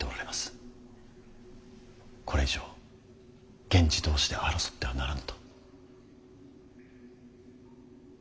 これ以上源氏同士で争ってはならぬと。